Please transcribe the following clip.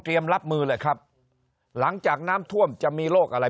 รับมือเลยครับหลังจากน้ำท่วมจะมีโรคอะไร